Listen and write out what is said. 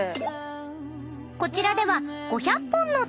［こちらでは］